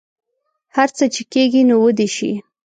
هر څه چې کیږي نو ودې شي